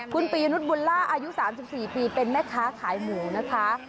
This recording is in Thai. คุณปิญนุสบุรรไอ้๓๔ปีเป็นแม่ข้าขายหมูนะคะ